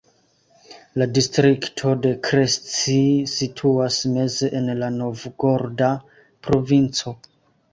La distrikto de Krestci situas meze en la Novgoroda provinco.